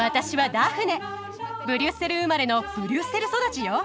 ブリュッセル生まれのブリュッセル育ちよ。